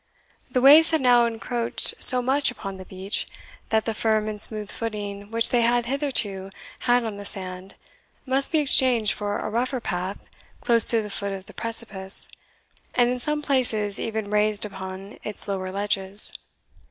The waves had now encroached so much upon the beach, that the firm and smooth footing which they had hitherto had on the sand must be exchanged for a rougher path close to the foot of the precipice, and in some places even raised upon its lower ledges.